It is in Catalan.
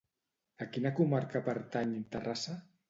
A quina comarca pertany Terrassa?